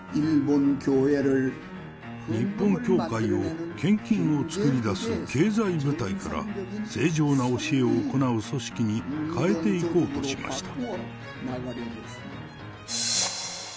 日本教会を献金を作り出す経済部隊から、正常な教えを行う組織に変えていこうとしました。